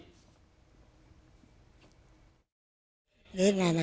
นี่คืออะไรนะครับ